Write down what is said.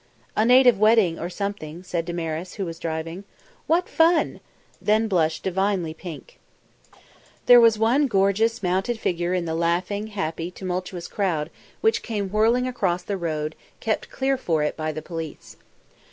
"A native wedding, or something," said Damaris, who was driving. "What fun!" then blushed divinely pink. There was one gorgeous mounted figure in the laughing, happy, tumultuous crowd which came whirling across the road kept clear for it by the police.